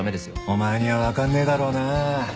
お前には分かんねえだろうなぁ。